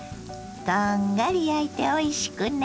こんがり焼いておいしくね。